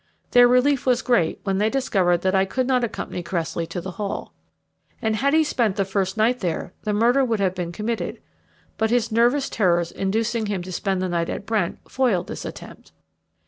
Their relief was great when they discovered that I could not accompany Cressley to the Hall. And had he spent the first night there, the murder would have been committed; but his nervous terrors inducing him to spend the night at Brent foiled this attempt.